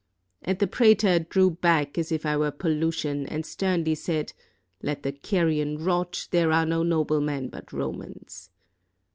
And the praetor drew back as if I were pollution, and sternly said, 'Let the carrion rot; there are no noble men but Romans!'